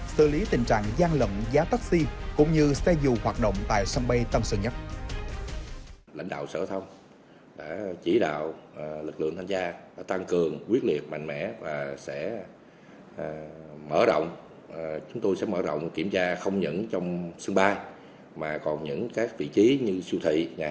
xử lý tình trạng gian lượng giá taxi cũng như xe dù hoạt động tại sân bay tân sơn nhất